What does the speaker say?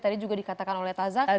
tadi juga dikatakan oleh taza